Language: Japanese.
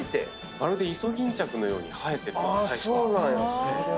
まるでイソギンチャクのように生えてると思うんですけども